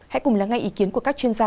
hãy cùng lắng nghe ý kiến của các chuyên gia